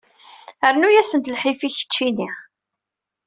Rnu-asent lḥif-ik keččini!